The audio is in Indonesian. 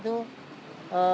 terima kasih pak